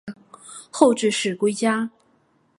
后致仕归家。